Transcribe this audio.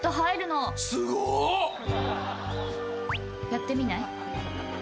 やってみない？